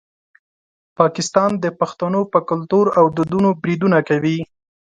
پاکستان د پښتنو په کلتور او دودونو بریدونه کوي.